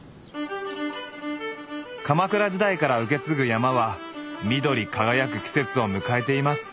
鎌倉時代から受け継ぐ山は緑輝く季節を迎えています。